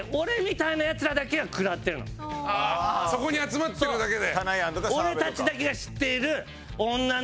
そこに集まってるだけで？